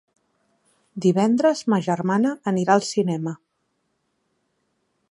Divendres ma germana anirà al cinema.